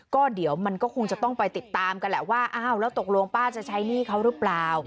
ก็เดี๋ยวมันก็คงจะต้องไปติดตามกันแหละว่าอ้าวแล้วตกลงป้าจะใช้หนี้เขาหรือเปล่า